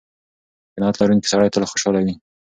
قناعت لرونکی سړی تل خوشحاله وي.